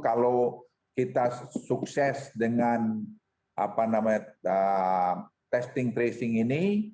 kalau kita sukses dengan testing tracing ini